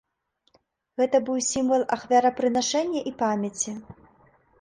Гэта быў сімвал ахвярапрынашэння і памяці.